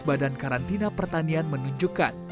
badan karantina pertanian menunjukkan